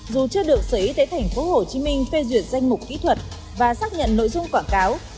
dù chưa được xử ý tới tp hcm phê duyệt danh mục kỹ thuật và xác nhận nội dung quảng cáo